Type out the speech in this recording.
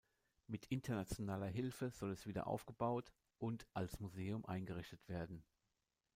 Mit internationaler Hilfe soll es wieder aufgebaut und als Museum eingerichtet werden.